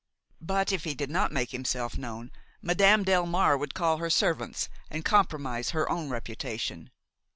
But if he did not make himself known, Madame Delmare would call her servants and compromise her own reputation.